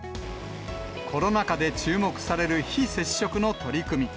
コロナ禍で注目される非接触の取り組み。